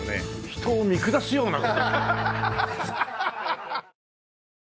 人を見下すような。